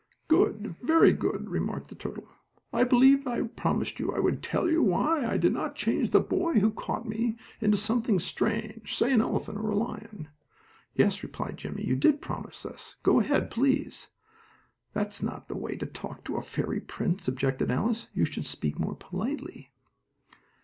"Good, very good," remarked the mud turtle. "I believe I promised you I would tell you why I did not change the boy, who caught me, into something strange, say an elephant or a lion." "Yes," replied Jimmie, "you did promise us. Go ahead, please." "That's not the way to talk to a fairy prince," objected Alice. "You should speak more politely."